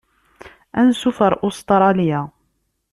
Anṣuf ɣer Ustṛalya.